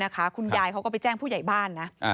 คุณยายเขาก็ไปแจ้งผู้ใหญ่บ้านนะ